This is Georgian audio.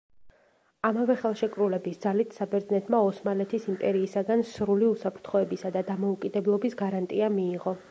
ამავე ხელშეკრულების ძალით საბერძნეთმა ოსმალეთის იმპერიისაგან სრული უსაფრთხოებისა და დამოუკიდებლობის გარანტია მიიღო.